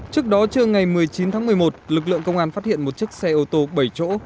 trước đó trưa ngày một mươi chín tháng một mươi một lực lượng công an phát hiện một chiếc xe ô tô bảy chỗ